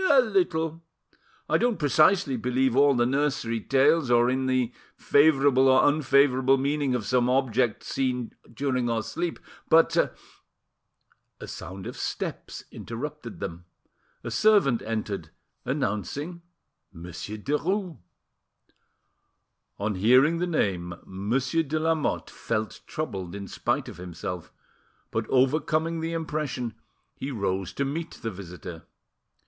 "A little. I don't precisely believe all the nursery, tales, or in the favourable or unfavourable meaning of some object seen during our sleep, but—" A sound of steps interrupted them, a servant entered, announcing Monsieur Derues. On hearing the name, Monsieur de Lamotte felt troubled in spite of himself, but, overcoming the impression, he rose to meet the visitor.